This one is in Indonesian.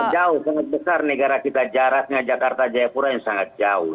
jauh sangat besar negara kita jaraknya jakarta jayapura yang sangat jauh